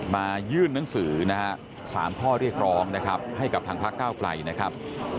ยื่นหนังสือนะฮะ๓ข้อเรียกร้องนะครับให้กับทางพักเก้าไกลนะครับ